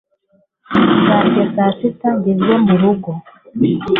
nzarya saa sita ngeze murugo